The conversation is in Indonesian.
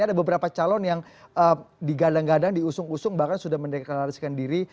ada beberapa calon yang digadang gadang diusung usung bahkan sudah mendeklarasikan diri